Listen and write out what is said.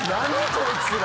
こいつら。